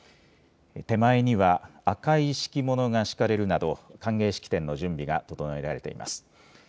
手前には赤い敷物が敷かれるなど歓迎式典の準備が整えられています。